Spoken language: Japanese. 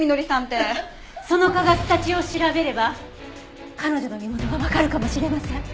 その蚊が吸った血を調べれば彼女の身元がわかるかもしれません。